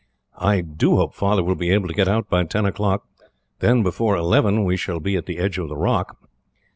"I do hope Father will be able to get out by ten o'clock. Then, before eleven we shall be at the edge of the rock.